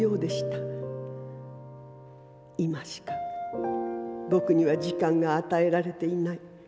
今しかぼくには時間があたえられていない。